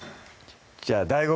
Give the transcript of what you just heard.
じゃあＤＡＩＧＯ